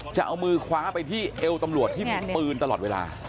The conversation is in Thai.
จะเอามือคว้าไปที่เอวตำรวจที่มีปืนตลอดเวลา